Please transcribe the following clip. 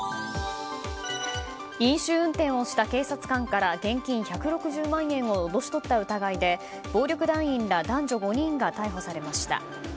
飲酒運転をした警察官から現金１６０万円を脅し取った疑いで暴力団員ら男女５人が逮捕されました。